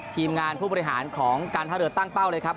ทีมงานผู้บริหารของการท่าเรือตั้งเป้าเลยครับ